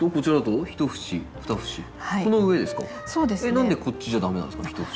何でこっちじゃ駄目なんですか？